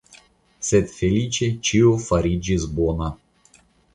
Sed feliĉe, ĉio fariĝis bona.